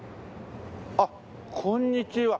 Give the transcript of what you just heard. あっこんにちは。